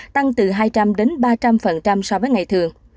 tăng từ hai trăm linh đến ba trăm linh so với ngày thường